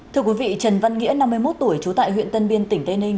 thưa quý vị trần văn nghĩa năm mươi một tuổi trú tại huyện tân biên tỉnh tây ninh